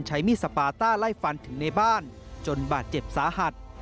ใช้มีดสปาต้าไล่ฟันถึงในบ้านจนบาดเจ็บสาหัส